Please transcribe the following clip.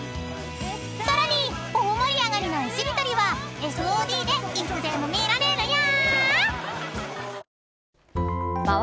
［さらに大盛り上がりの絵しりとりはＦＯＤでいつでも見られるよ］